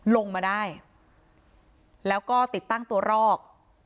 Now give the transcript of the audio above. ลงมาได้แล้วก็ติดตั้งตัวรอก